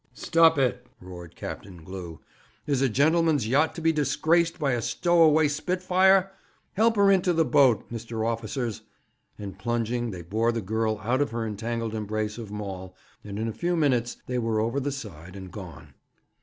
'Stop it!' roared Captain Glew. 'Is a gentleman's yacht to be disgraced by a stowaway spitfire? Help her into the boat, Mr. Officers;' and plunging, they bore the girl out of her entangled embrace of Maul, and in a few minutes they were over the side, and gone.